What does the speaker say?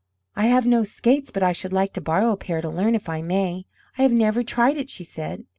"I have no skates, but I should like to borrow a pair to learn, if I may. I have never tried," she said.